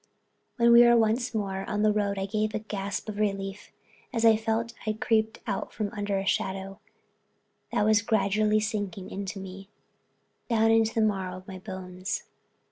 When we were once more in the road I gave a gasp of relief. I felt as if I'd crept out from under a shadow, that was gradually sinking into me, down to the marrow of my bones.